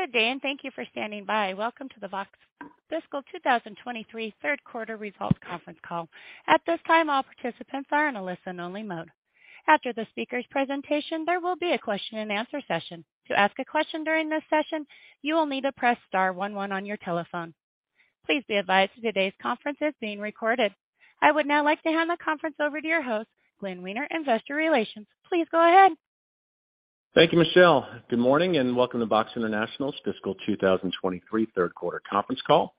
Good day, and thank you for standing by. Welcome to the VOXX Fiscal 2023 Q3 results conference call. At this time, all participants are in a listen only mode. After the speaker's presentation, there will be a question and answer session. To ask a question during this session, you will need to press star 11 on your telephone. Please be advised today's conference is being recorded. I would now like to hand the conference over to your host, Glenn Wiener, Investor Relations. Please go ahead. Thank you, Michelle. Good morning and welcome to VOXX International's Fiscal 2023 Q3 conference call.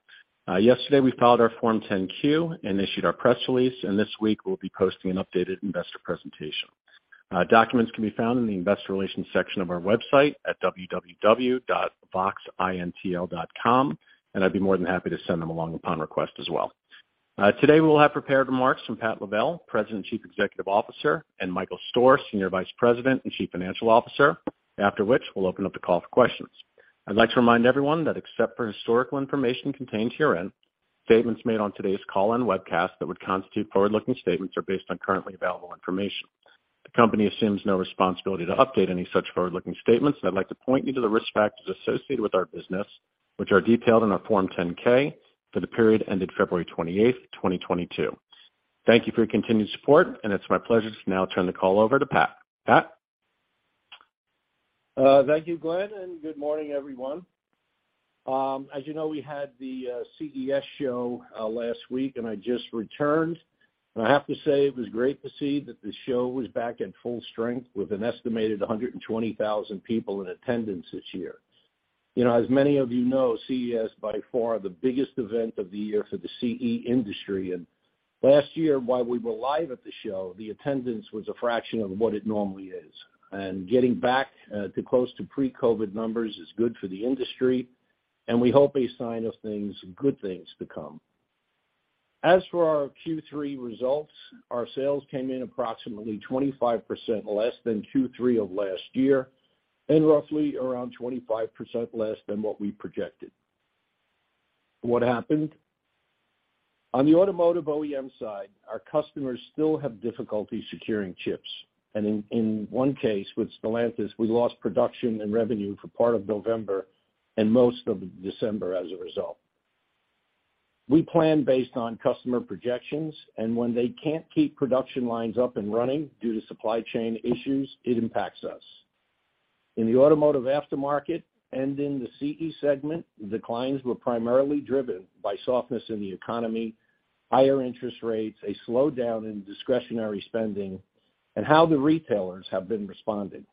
Yesterday, we filed our Form 10-Q and issued our press release. This week we'll be posting an updated investor presentation. Documents can be found in the investor relations section of our website at www.voxintl.com. I'd be more than happy to send them along upon request as well. Today we'll have prepared remarks from Pat Lavelle, President, Chief Executive Officer, and Michael Stoehr, Senior Vice President and Chief Financial Officer. After which, we'll open up the call for questions. I'd like to remind everyone that except for historical information contained herein, statements made on today's call and webcast that would constitute forward-looking statements are based on currently available information. The company assumes no responsibility to update any such forward-looking statements. I'd like to point you to the risk factors associated with our business, which are detailed in our Form 10-K for the period ended February 28th, 2022. Thank you for your continued support, and it's my pleasure to now turn the call over to Pat. Pat? Thank you, Glenn, and good morning, everyone. As you know, we had the CES show last week, and I just returned. I have to say it was great to see that the show was back in full strength with an estimated 120,000 people in attendance this year. You know, as many of you know, CES by far the biggest event of the year for the CE industry. Last year, while we were live at the show, the attendance was a fraction of what it normally is. Getting back to close to pre-COVID numbers is good for the industry, and we hope a sign of things, good things to come. As for our Q3 results, our sales came in approximately 25% less than Q3 of last year and roughly around 25% less than what we projected. What happened? On the automotive OEM side, our customers still have difficulty securing chips, and in one case, with Stellantis, we lost production and revenue for part of November and most of December as a result. We plan based on customer projections, and when they can't keep production lines up and running due to supply chain issues, it impacts us. In the automotive aftermarket and in the CE segment, declines were primarily driven by softness in the economy, higher interest rates, a slowdown in discretionary spending, and how the retailers have been responding.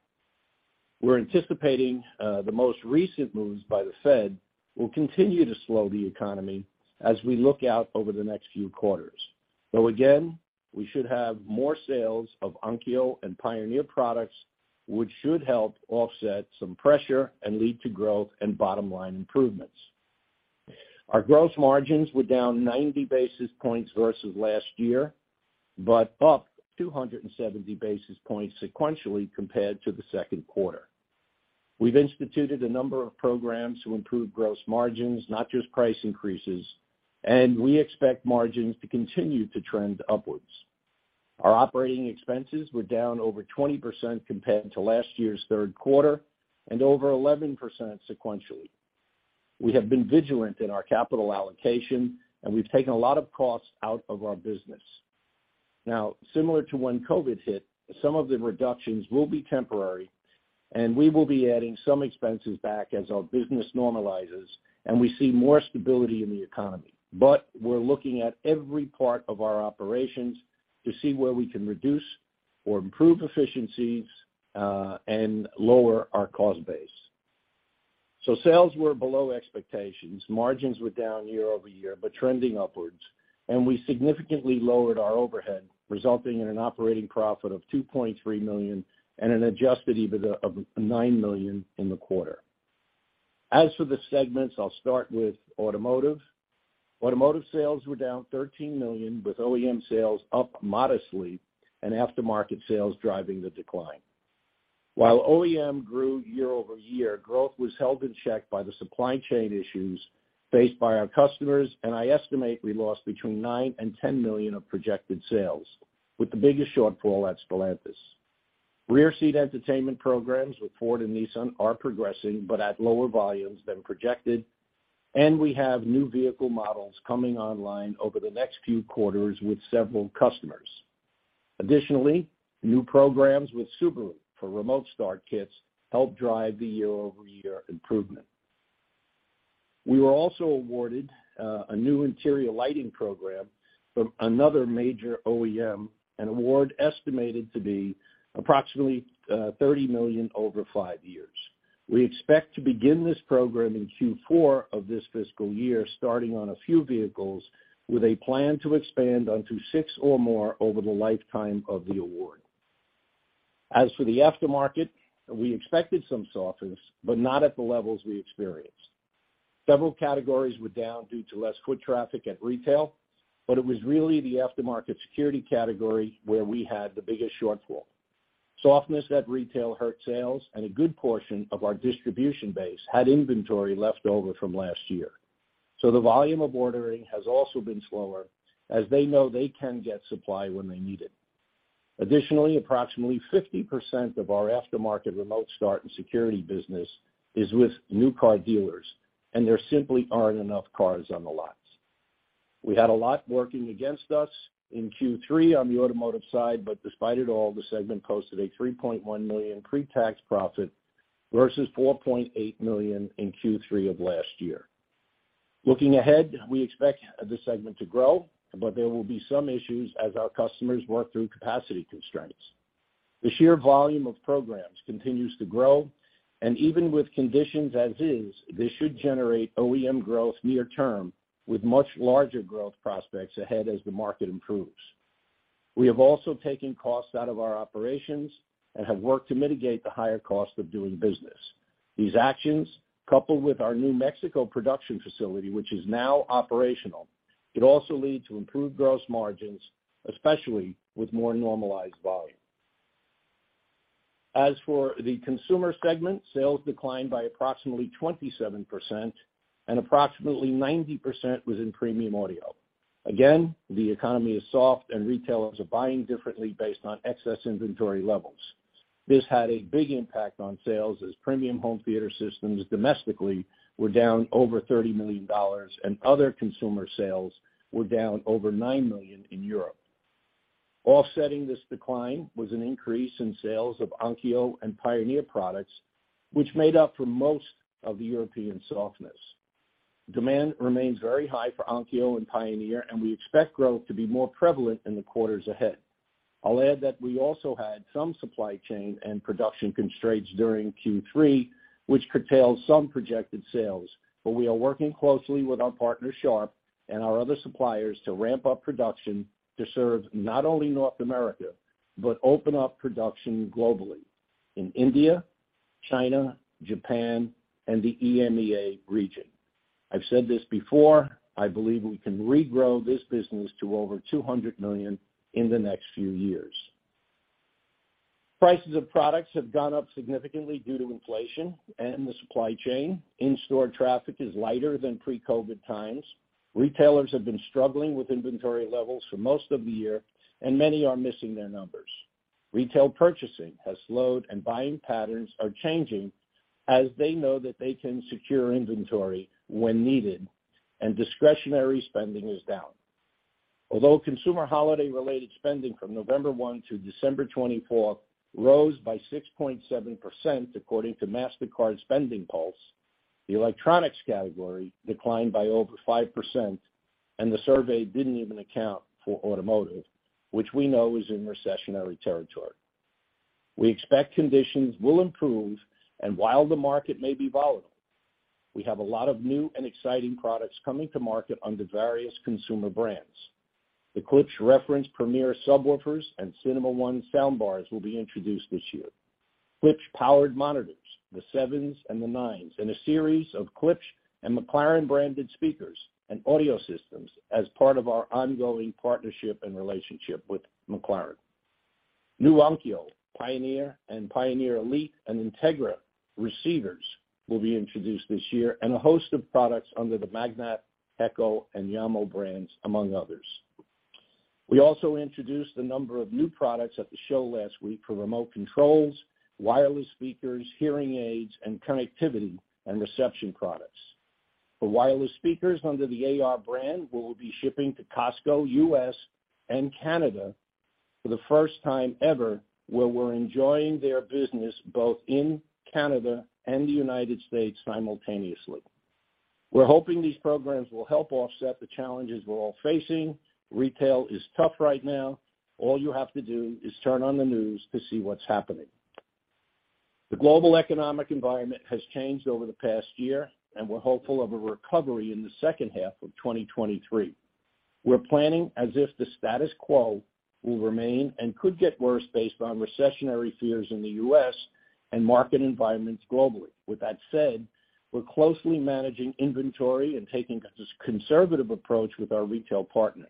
We're anticipating the most recent moves by the Fed will continue to slow the economy as we look out over the next few quarters. Again, we should have more sales of Onkyo and Pioneer products, which should help offset some pressure and lead to growth and bottom-line improvements. Our gross margins were down 90 basis points versus last year, but up 270 basis points sequentially compared to the Q2. We've instituted a number of programs to improve gross margins, not just price increases, and we expect margins to continue to trend upwards. Our operating expenses were down over 20% compared to last year's Q3 and over 11% sequentially. We have been vigilant in our capital allocation, and we've taken a lot of costs out of our business. Now, similar to when COVID hit, some of the reductions will be temporary, and we will be adding some expenses back as our business normalizes and we see more stability in the economy. We're looking at every part of our operations to see where we can reduce or improve efficiencies and lower our cost base. Sales were below expectations. Margins were down year-over-year, trending upwards. We significantly lowered our overhead, resulting in an operating profit of $2.3 million and an adjusted EBITDA of $9 million in the quarter. As for the segments, I'll start with automotive. Automotive sales were down $13 million, with OEM sales up modestly and aftermarket sales driving the decline. While OEM grew year-over-year, growth was held in check by the supply chain issues faced by our customers, and I estimate we lost between $9 million-$10 million of projected sales, with the biggest shortfall at Stellantis. Rear seat entertainment programs with Ford and Nissan are progressing, but at lower volumes than projected, and we have new vehicle models coming online over the next few quarters with several customers. New programs with Subaru for remote start kits helped drive the year-over-year improvement. We were also awarded a new interior lighting program from another major OEM, an award estimated to be approximately $30 million over five years. We expect to begin this program in Q4 of this fiscal year, starting on a few vehicles, with a plan to expand onto six or more over the lifetime of the award. As for the aftermarket, we expected some softness, but not at the levels we experienced. Several categories were down due to less foot traffic at retail, it was really the aftermarket security category where we had the biggest shortfall. Softness at retail hurt sales, a good portion of our distribution base had inventory left over from last year. The volume of ordering has also been slower as they know they can get supply when they need it. Additionally, approximately 50% of our aftermarket remote start and security business is with new car dealers, and there simply aren't enough cars on the lots. We had a lot working against us in Q3 on the automotive side, but despite it all, the segment posted a $3.1 million pre-tax profit versus $4.8 million in Q3 of last year. Looking ahead, we expect this segment to grow, but there will be some issues as our customers work through capacity constraints. The sheer volume of programs continues to grow, and even with conditions as is, this should generate OEM growth near term, with much larger growth prospects ahead as the market improves. We have also taken costs out of our operations and have worked to mitigate the higher cost of doing business. These actions, coupled with our New Mexico production facility, which is now operational, could also lead to improved gross margins, especially with more normalized volume. As for the consumer segment, sales declined by approximately 27% and approximately 90% was in premium audio. Again, the economy is soft and retailers are buying differently based on excess inventory levels. This had a big impact on sales as premium home theater systems domestically were down over $30 million, and other consumer sales were down over 9 million in Europe. Offsetting this decline was an increase in sales of Onkyo and Pioneer products, which made up for most of the European softness. Demand remains very high for Onkyo and Pioneer, and we expect growth to be more prevalent in the quarters ahead. I'll add that we also had some supply chain and production constraints during Q3, which curtailed some projected sales. We are working closely with our partner, Sharp, and our other suppliers to ramp up production to serve not only North America, but open up production globally in India, China, Japan and the EMEA region. I've said this before, I believe we can regrow this business to over $200 million in the next few years. Prices of products have gone up significantly due to inflation and the supply chain. In-store traffic is lighter than pre-COVID times. Retailers have been struggling with inventory levels for most of the year, and many are missing their numbers. Retail purchasing has slowed and buying patterns are changing as they know that they can secure inventory when needed and discretionary spending is down. Although consumer holiday-related spending from November one to December twenty-fourth rose by 6.7% according to Mastercard SpendingPulse, the electronics category declined by over 5%, and the survey didn't even account for automotive, which we know is in recessionary territory. We expect conditions will improve, and while the market may be volatile, we have a lot of new and exciting products coming to market under various consumer brands. The Klipsch Reference Premiere subwoofers and Cinema 1 soundbars will be introduced this year. Klipsch powered monitors, The Sevens and The Nines, and a series of Klipsch and McLaren-branded speakers and audio systems as part of our ongoing partnership and relationship with McLaren. New Onkyo, Pioneer and Pioneer Elite and Integra receivers will be introduced this year, and a host of products under the Magnat, Heco and Jamo brands, among others. We also introduced a number of new products at the show last week for remote controls, wireless speakers, hearing aids, and connectivity and reception products. The wireless speakers under the AR brand will be shipping to Costco, U.S. and Canada for the first time ever, where we're enjoying their business both in Canada and the United States simultaneously. We're hoping these programs will help offset the challenges we're all facing. Retail is tough right now. All you have to do is turn on the news to see what's happening. The global economic environment has changed over the past year, and we're hopeful of a recovery in the second half of 2023. We're planning as if the status quo will remain and could get worse based on recessionary fears in the U.S. and market environments globally. With that said, we're closely managing inventory and taking a conservative approach with our retail partners.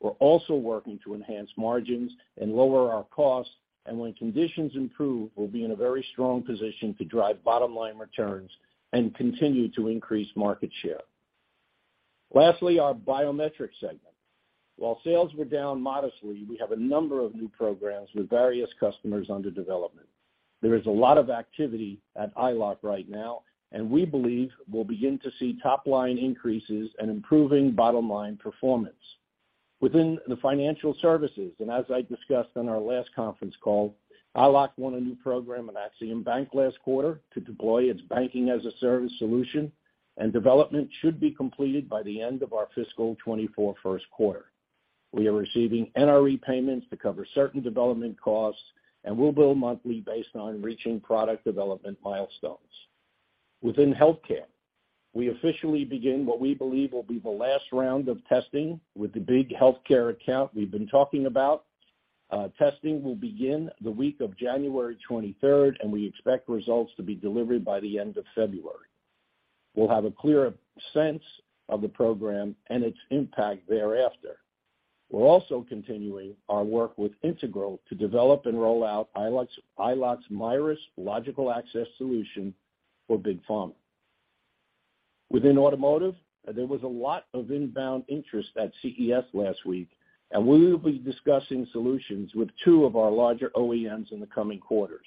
We're also working to enhance margins and lower our costs, and when conditions improve, we'll be in a very strong position to drive bottom line returns and continue to increase market share. Lastly, our biometrics segment. While sales were down modestly, we have a number of new programs with various customers under development. There is a lot of activity at EyeLock right now, and we believe we'll begin to see top line increases and improving bottom line performance. Within the financial services, and as I discussed on our last conference call, EyeLock won a new program in Axiom Bank last quarter to deploy its Banking-as-a-Service solution, and development should be completed by the end of our fiscal 2024 Q1. We are receiving NRE payments to cover certain development costs, and we'll bill monthly based on reaching product development milestones. Within healthcare, we officially begin what we believe will be the last round of testing with the big healthcare account we've been talking about. Testing will begin the week of January 23rd, and we expect results to be delivered by the end of February. We'll have a clearer sense of the program and its impact thereafter. We're also continuing our work with Integro to develop and roll out EyeLock's Mirus logical access solution for big pharma. Within automotive, there was a lot of inbound interest at CES last week, and we will be discussing solutions with two of our larger OEMs in the coming quarters.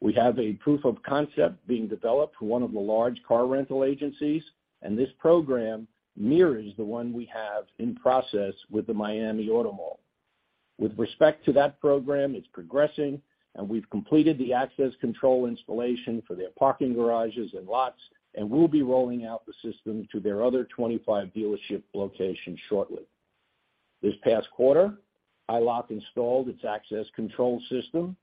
We have a proof of concept being developed for one of the large car rental agencies, and this program mirrors the one we have in process with the Miami Auto Mall. With respect to that program, it's progressing, and we've completed the access control installation for their parking garages and lots, and we'll be rolling out the system to their other 25 dealership locations shortly. This past quarter, EyeLock installed its access control system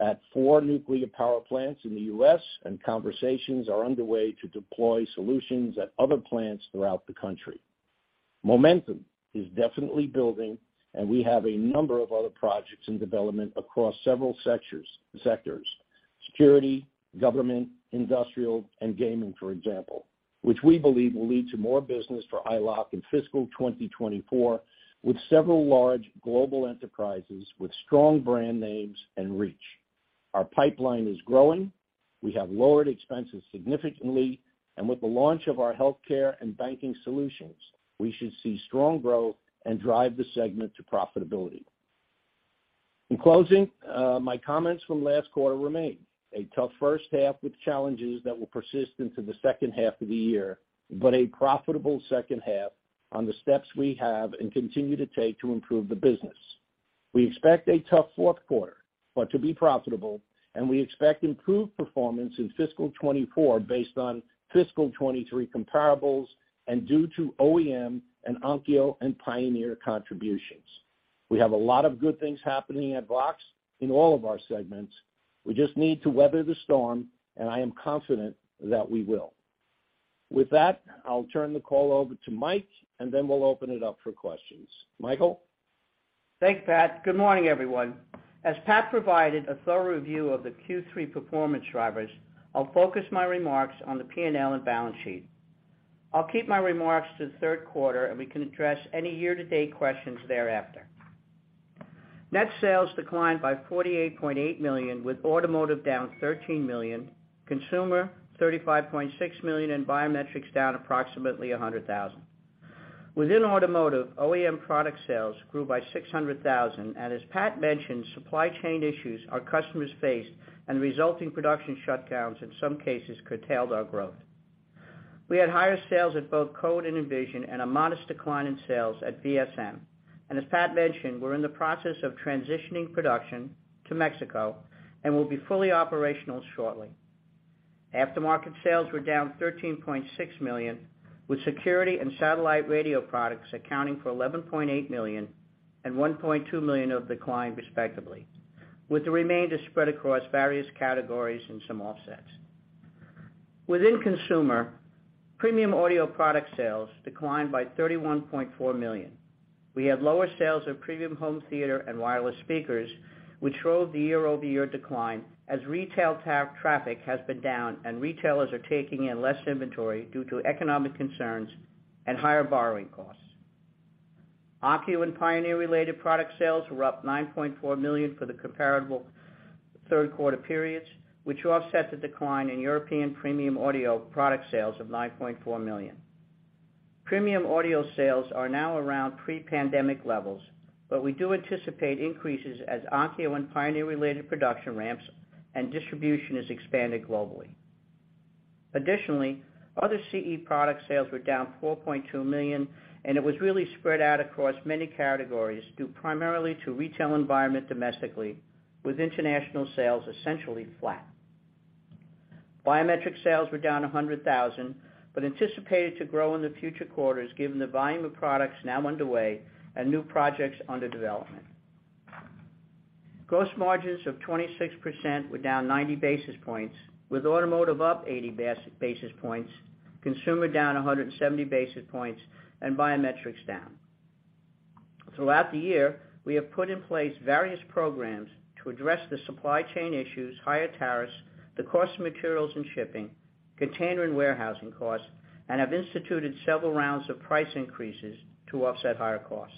at four nuclear power plants in the U.S., and conversations are underway to deploy solutions at other plants throughout the country. Momentum is definitely building, we have a number of other projects in development across several sectors, security, government, industrial, and gaming, for example, which we believe will lead to more business for EyeLock in fiscal 2024 with several large global enterprises with strong brand names and reach. Our pipeline is growing, we have lowered expenses significantly, with the launch of our healthcare and banking solutions, we should see strong growth and drive the segment to profitability. In closing, my comments from last quarter remain. A tough first half with challenges that will persist into the second half of the year, but a profitable second half on the steps we have and continue to take to improve the business. We expect a tough Q4, but to be profitable, we expect improved performance in fiscal 2024 based on fiscal 2023 comparables and due to OEM and Onkyo and Pioneer contributions. We have a lot of good things happening at VOXX in all of our segments. We just need to weather the storm, I am confident that we will. With that, I'll turn the call over to Mike, then we'll open it up for questions. Michael? Thanks, Pat. Pat provided a thorough review of the Q3 performance drivers, I'll focus my remarks on the P&L and balance sheet. I'll keep my remarks to the Q3, we can address any year-to-date questions thereafter. Net sales declined by $48.8 million, with automotive down $13 million, consumer $35.6 million, and biometrics down approximately $100,000. Within automotive, OEM product sales grew by $600,000. As Pat mentioned, supply chain issues our customers faced and resulting production shutdowns in some cases curtailed our growth. We had higher sales at both Code and Invision and a modest decline in sales at VSM. As Pat mentioned, we're in the process of transitioning production to Mexico and will be fully operational shortly. Aftermarket sales were down $13.6 million, with security and satellite radio products accounting for $11.8 million and $1.2 million of decline, respectively, with the remainder spread across various categories and some offsets. Within consumer, premium audio product sales declined by $31.4 million. We had lower sales of premium home theater and wireless speakers, which drove the year-over-year decline as retail traffic has been down and retailers are taking in less inventory due to economic concerns and higher borrowing costs. Onkyo and Pioneer-related product sales were up $9.4 million for the comparable Q3 periods, which offset the decline in European premium audio product sales of $9.4 million. Premium audio sales are now around pre-pandemic levels, but we do anticipate increases as Onkyo and Pioneer-related production ramps and distribution is expanded globally. Other CE product sales were down $4.2 million, and it was really spread out across many categories, due primarily to retail environment domestically, with international sales essentially flat. Biometric sales were down $100,000, but anticipated to grow in the future quarters given the volume of products now underway and new projects under development. Gross margins of 26% were down 90 basis points, with automotive up 80 basis points, consumer down 170 basis points, and biometrics down. Throughout the year, we have put in place various programs to address the supply chain issues, higher tariffs, the cost of materials and shipping, container and warehousing costs, and have instituted several rounds of price increases to offset higher costs.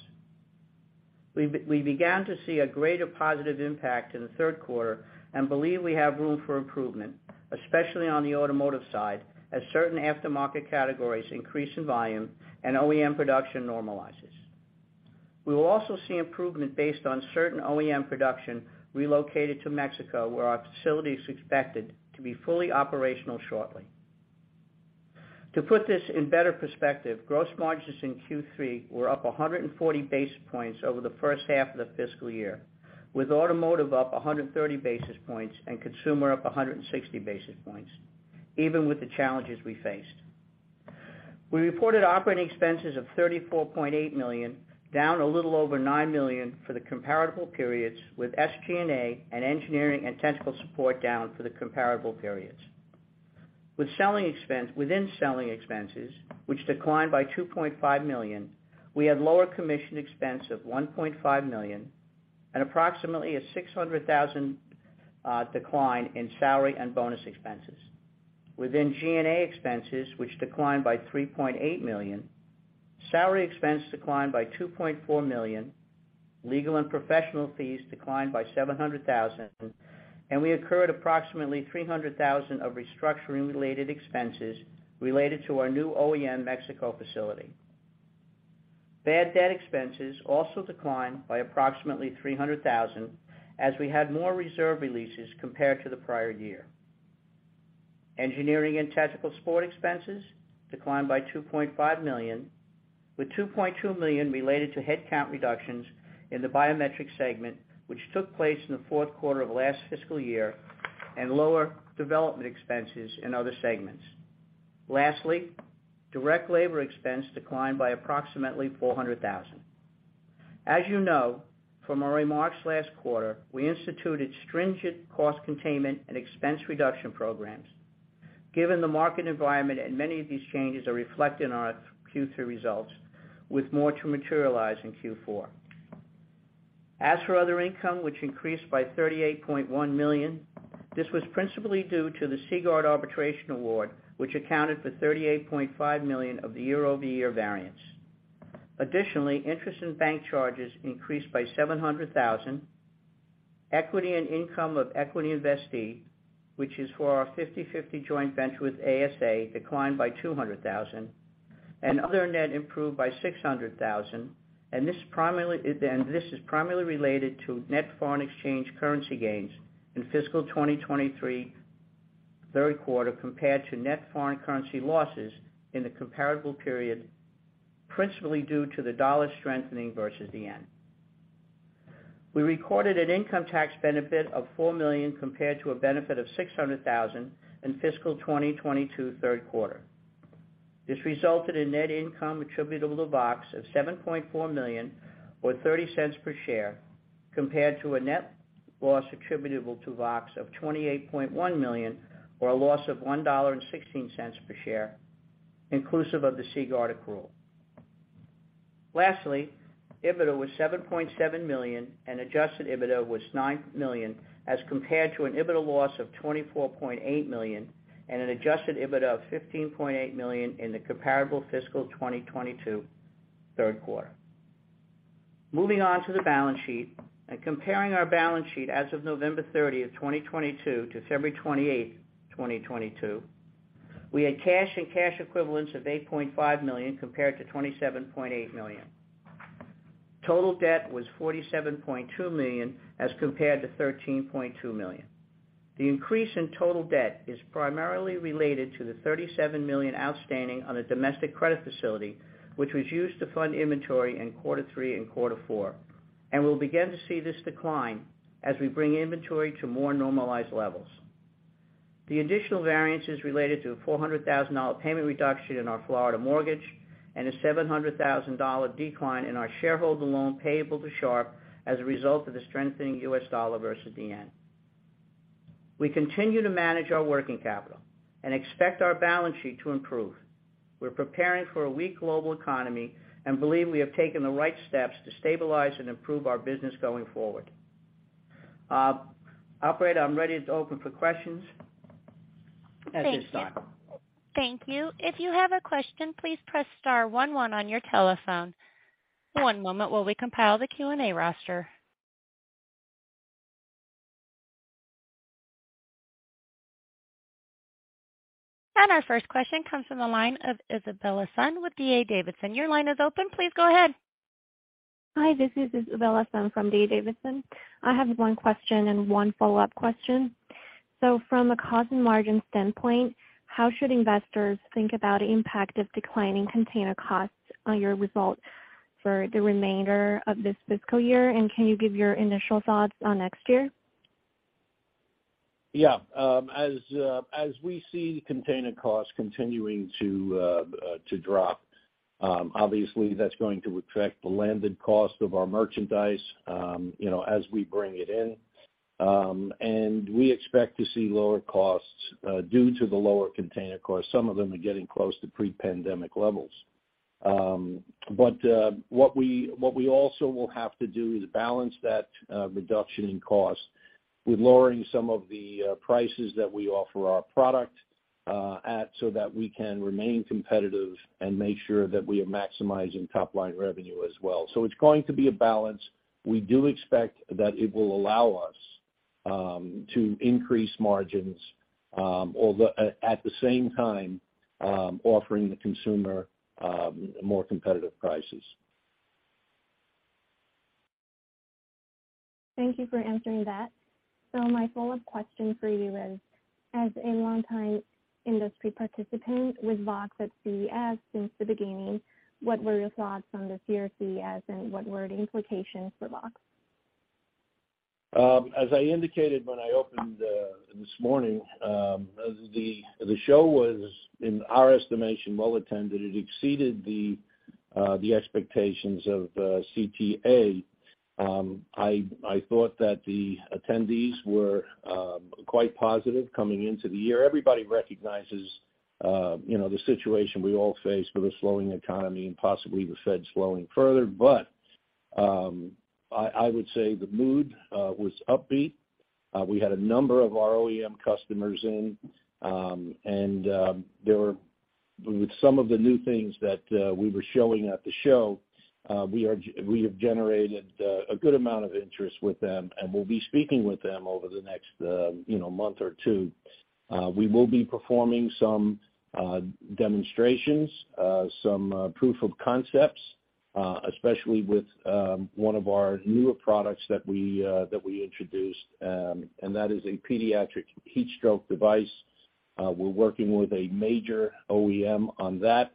We began to see a greater positive impact in the Q3 and believe we have room for improvement, especially on the automotive side, as certain aftermarket categories increase in volume and OEM production normalizes. We will also see improvement based on certain OEM production relocated to Mexico, where our facility is expected to be fully operational shortly. To put this in better perspective, gross margins in Q3 were up 140 basis points over the first half of the fiscal year, with automotive up 130 basis points and consumer up 160 basis points, even with the challenges we faced. We reported operating expenses of $34.8 million, down a little over $9 million for the comparable periods, with SG&A and engineering and technical support down for the comparable periods. Within selling expenses, which declined by $2.5 million, we had lower commission expense of $1.5 million and approximately a $600,000 decline in salary and bonus expenses. Within G&A expenses, which declined by $3.8 million. Salary expense declined by $2.4 million, legal and professional fees declined by $700,000, and we occurred approximately $300,000 of restructuring-related expenses related to our new OEM Mexico facility. Bad debt expenses also declined by approximately $300,000 as we had more reserve releases compared to the prior year. Engineering and technical support expenses declined by $2.5 million, with $2.2 million related to headcount reductions in the biometric segment, which took place in the Q4 of last fiscal year, and lower development expenses in other segments. Lastly, direct labor expense declined by approximately $400,000. As you know from our remarks last quarter, we instituted stringent cost containment and expense reduction programs given the market environment, and many of these changes are reflected in our Q3 results, with more to materialize in Q4. As for other income, which increased by $38.1 million, this was principally due to the Seaguard arbitration award, which accounted for $38.5 million of the year-over-year variance. Additionally, interest in bank charges increased by $700,000. Equity and income of equity investee, which is for our 50/50 joint venture with ASA, declined by $200,000, and other net improved by $600,000. This is primarily related to net foreign exchange currency gains in fiscal 2023 Q3 compared to net foreign currency losses in the comparable period, principally due to the dollar strengthening versus the JPY. We recorded an income tax benefit of $4 million compared to a benefit of $600,000 in fiscal 2022 Q3. This resulted in net income attributable to VOXX of $7.4 million, or $0.30 per share, compared to a net loss attributable to VOXX of $28.1 million, or a loss of $1.16 per share, inclusive of the Seaguard accrual. Lastly, EBITDA was $7.7 million, and adjusted EBITDA was $9 million as compared to an EBITDA loss of $24.8 million and an adjusted EBITDA of $15.8 million in the comparable fiscal 2022 Q3. Moving on to the balance sheet and comparing our balance sheet as of November 30th, 2022 to February 28th, 2022, we had cash and cash equivalents of $8.5 million compared to $27.8 million. Total debt was $47.2 million as compared to $13.2 million. The increase in total debt is primarily related to the $37 million outstanding on a domestic credit facility, which was used to fund inventory in quarter three and quarter four, and we'll begin to see this decline as we bring inventory to more normalized levels. The additional variance is related to a $400,000 payment reduction in our Florida mortgage and a $700,000 decline in our shareholder loan payable to Sharp as a result of the strengthening US dollar versus the yen. We continue to manage our working capital and expect our balance sheet to improve. We're preparing for a weak global economy and believe we have taken the right steps to stabilize and improve our business going forward. Operator, I'm ready to open for questions at this time. Thank you. Thank you. If you have a question, please press star one one on your telephone. One moment while we compile the Q&A roster. Our first question comes from the line of Isabella Sun with D.A. Davidson. Your line is open. Please go ahead. Hi, this is Isabella Sun from D.A. Davidson. I have one question and one follow-up question. From a cost and margin standpoint, how should investors think about impact of declining container costs on your results for the remainder of this fiscal year? Can you give your initial thoughts on next year? As we see container costs continuing to drop, obviously that's going to affect the landed cost of our merchandise as we bring it in. We expect to see lower costs due to the lower container costs. Some of them are getting close to pre-pandemic levels. What we also will have to do is balance that reduction in cost with lowering some of the prices that we offer our product at so that we can remain competitive and make sure that we are maximizing top line revenue as well. It's going to be a balance. We do expect that it will allow us to increase margins, although at the same time offering the consumer more competitive prices. Thank you for answering that. My follow-up question for you is, as a longtime industry participant with VOXX at CES since the beginning, what were your thoughts on this year's CES and what were the implications for VOXX? As I indicated when I opened this morning, the show was, in our estimation, well attended. It exceeded the expectations of CTA. I thought that the attendees were quite positive coming into the year. Everybody recognizes, you know, the situation we all face with a slowing economy and possibly the Fed slowing further. I would say the mood was upbeat. We had a number of our OEM customers in. With some of the new things that we were showing at the show, we have generated a good amount of interest with them, and we'll be speaking with them over the next, you know, month or two. We will be performing some demonstrations, some proof of concepts, especially with one of our newer products that we that we introduced, and that is a pediatric heat stroke device. We're working with a major OEM on that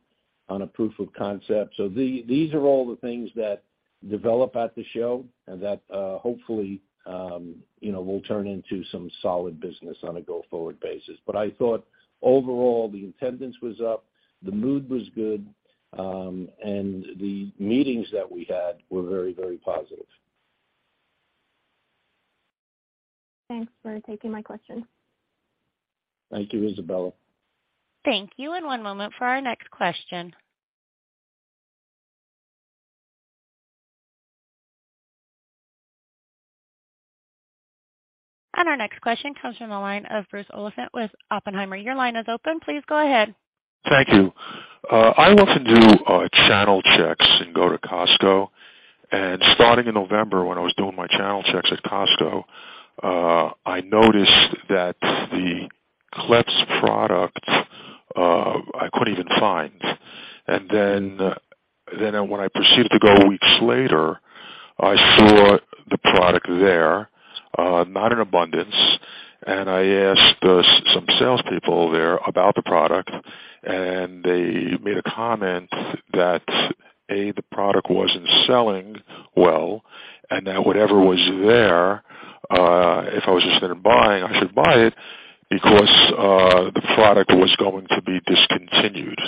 on a proof of concept. These are all the things that develop at the show and that, hopefully, you know, will turn into some solid business on a go-forward basis. I thought overall the attendance was up, the mood was good, and the meetings that we had were very, very positive. Thanks for taking my question. Thank you, Isabella. Thank you. One moment for our next question. Our next question comes from the line of Bruce Olephant with Oppenheimer. Your line is open. Please go ahead. Thank you. I often do channel checks and go to Costco. Starting in November, when I was doing my channel checks at Costco, I noticed that the Klipsch product, I couldn't even find. When I proceeded to go weeks later, I saw the product there, not in abundance. I asked some salespeople there about the product, and they made a comment that, A, the product wasn't selling well, and that whatever was there, if I was interested in buying, I should buy it because the product was going to be discontinued.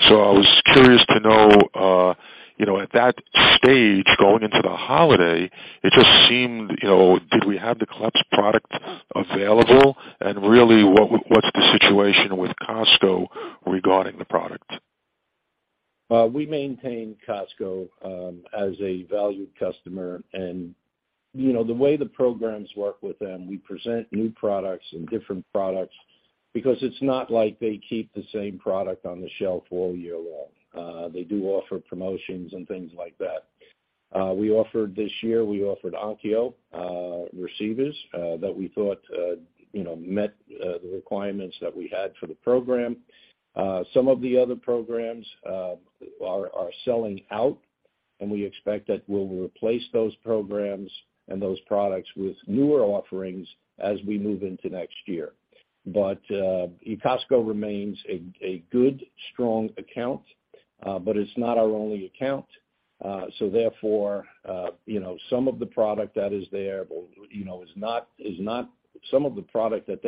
I was curious to know, you know, at that stage, going into the holiday, it just seemed, you know, did we have the Klipsch product available? Really, what's the situation with Costco regarding the product? We maintain Costco as a valued customer. You know, the way the programs work with them, we present new products and different products because it's not like they keep the same product on the shelf all year long. They do offer promotions and things like that. We offered this year, we offered Onkyo receivers that we thought, you know, met the requirements that we had for the program. Some of the other programs are selling out, and we expect that we'll replace those programs and those products with newer offerings as we move into next year. Costco remains a good, strong account, but it's not our only account. Therefore, you know, some of the product that is there, you know, is not also some of the product that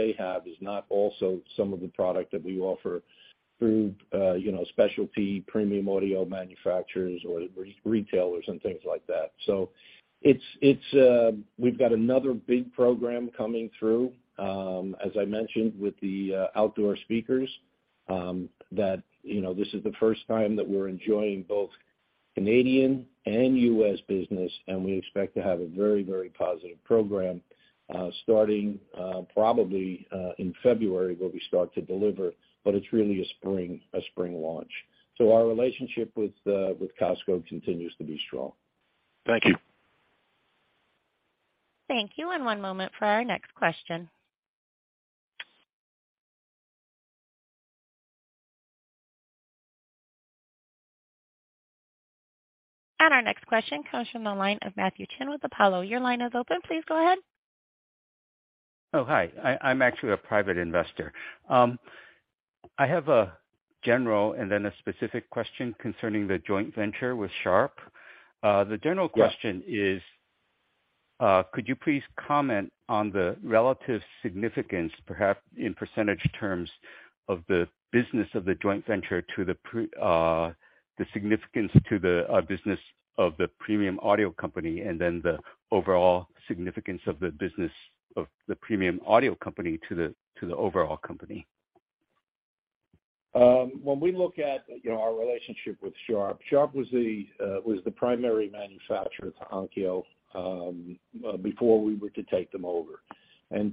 we offer through, you know, specialty premium audio manufacturers or re-retailers and things like that. We've got another big program coming through, as I mentioned, with the outdoor speakers, that, you know, this is the first time that we're enjoying both Canadian and U.S. business, and we expect to have a very positive program, starting probably in February where we start to deliver, but it's really a spring launch. Our relationship with Costco continues to be strong. Thank you. Thank you. One moment for our next question. Our next question comes from the line of Matthew Chinn with Apollo. Your line is open. Please go ahead. Oh, hi. I'm actually a private investor. I have a general and then a specific question concerning the joint venture with Sharp. the general question- Yes. Could you please comment on the relative significance, perhaps in percentage terms, of the business of the joint venture to the significance to the business of the Premium Audio Company and then the overall significance of the business of the Premium Audio Company to the, to the overall company? When we look at, you know, our relationship with Sharp was the primary manufacturer to Onkyo before we were to take them over.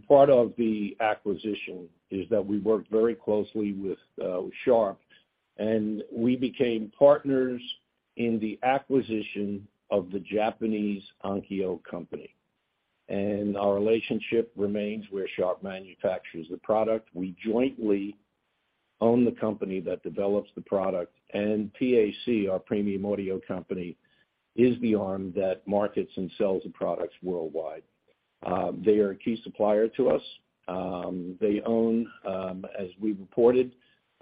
Part of the acquisition is that we worked very closely with Sharp, and we became partners in the acquisition of the Japanese Onkyo company. Our relationship remains where Sharp manufactures the product. We jointly own the company that develops the product. PAC, our Premium Audio Company, is the arm that markets and sells the products worldwide. They are a key supplier to us. They own, as we've reported,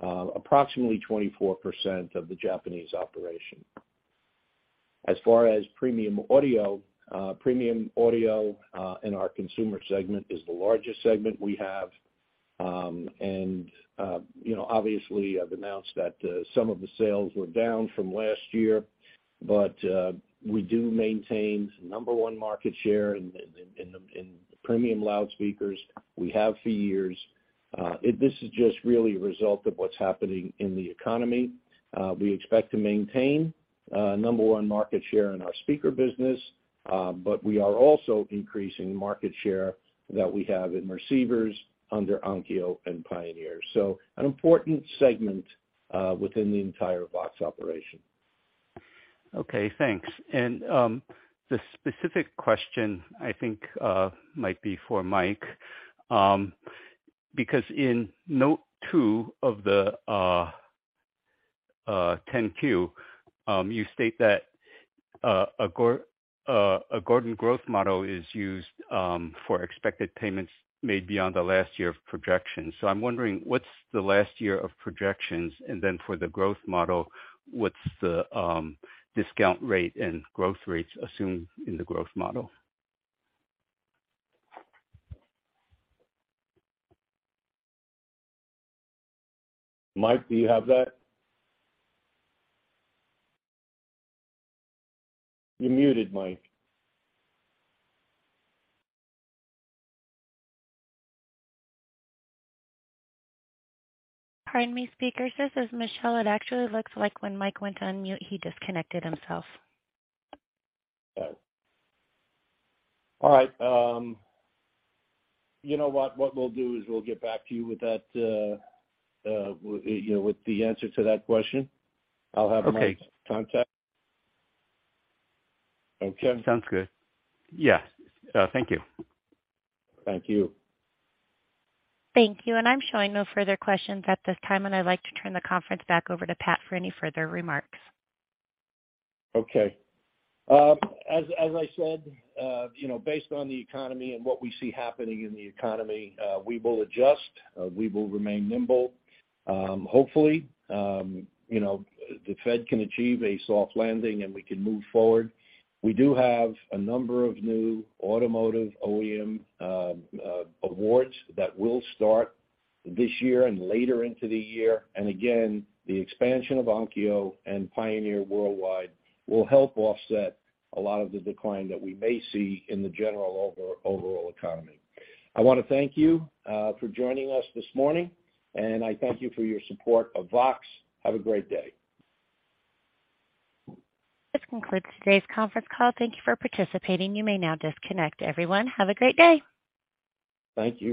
approximately 24% of the Japanese operation. As far as Premium Audio, in our consumer segment is the largest segment we have. You know, obviously I've announced that some of the sales were down from last year, but we do maintain the number one market share in Premium loudspeakers. We have for years. This is just really a result of what's happening in the economy. We expect to maintain number one market share in our speaker business, but we are also increasing market share that we have in receivers under Onkyo and Pioneer. An important segment within the entire VOXX operation. Okay, thanks. The specific question, I think, might be for Mike, because in note two of the Form 10-Q, you state that, a Gordon Growth Model is used, for expected payments made beyond the last year of projection. I'm wondering what's the last year of projections? Then for the Gordon Growth Model, what's the discount rate and growth rates assumed in the Gordon Growth Model? Mike, do you have that? You're muted, Mike. Pardon me, speakers. This is Michelle. It actually looks like when Mike went on mute, he disconnected himself. Okay. All right. you know what? What we'll do is we'll get back to you with that, you know, with the answer to that question. Okay. I'll have Mike contact. Okay. Sounds good. Yes. thank you. Thank you. Thank you. I'm showing no further questions at this time. I'd like to turn the conference back over to Pat for any further remarks. Okay. As I said, you know, based on the economy and what we see happening in the economy, we will adjust. We will remain nimble. Hopefully, you know, the Fed can achieve a soft landing and we can move forward. We do have a number of new automotive OEM awards that will start this year and later into the year. Again, the expansion of Onkyo and Pioneer worldwide will help offset a lot of the decline that we may see in the general overall economy. I wanna thank you for joining us this morning, and I thank you for your support of VOXX. Have a great day. This concludes today's conference call. Thank you for participating. You may now disconnect. Everyone, have a great day. Thank you.